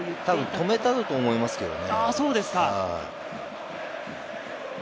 たぶん止めたんだと思いますけどね。